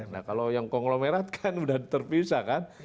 nah kalau yang konglomerat kan sudah terpisah kan